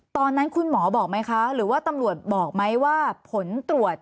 ตอนนั้นคุณหมอบอกไหมคะหรือว่าตำรวจบอกไหมว่าผลตรวจ